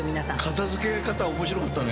片付け方面白かったね。